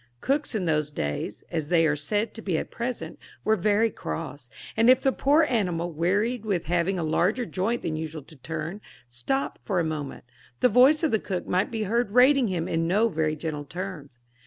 Cooks in those days, as they are said to be at present, were very cross, and if the poor animal, wearied with having a larger joint than usual to turn, stopped for a moment, the voice of the cook might be heard rating him in no very gentle terms.